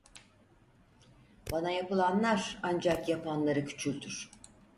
Bana yapılanlar ancak yapanları küçültür…